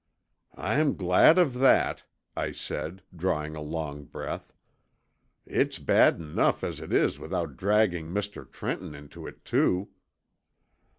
"I'm glad of that," I said, drawing a long breath. "It's bad enough as it is without dragging Mr. Trenton into it, too."